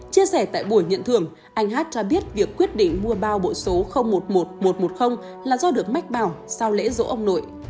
chia sẻ tại buổi nhận thưởng anh hát cho biết việc quyết định mua bao bộ số một mươi một nghìn một trăm một mươi là do được mách bảo sau lễ dỗ ông nội